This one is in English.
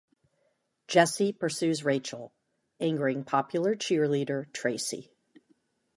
Jesse pursues Rachel, angering popular cheerleader Tracy.